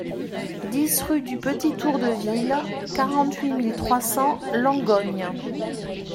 dix rue du Petit Tour de Ville, quarante-huit mille trois cents Langogne